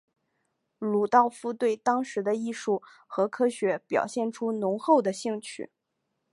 鲁道夫对当时的艺术和科学表现出浓厚的兴趣。